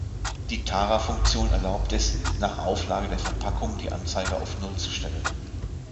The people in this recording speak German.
Die Tara-Funktion erlaubt es, nach Auflage der Verpackung die Anzeige auf Null zu stellen.